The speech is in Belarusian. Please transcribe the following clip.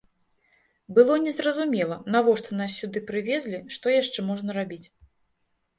Было незразумела, навошта нас сюды прывезлі, што яшчэ можна рабіць.